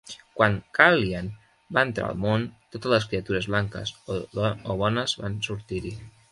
Quan Kaliyan va entrar al món, totes les criatures blanques o bones van sortir-hi.